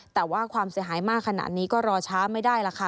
แต่ว่าความเสียหายมากขนาดนี้ก็รอช้าไม่ได้ล่ะค่ะ